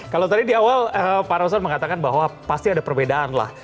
kalau tadi di awal pak roson mengatakan bahwa pasti ada perbedaan lah